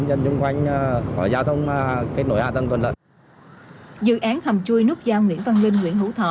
dự án hầm chui nút giao nguyễn văn linh nguyễn hữu thọ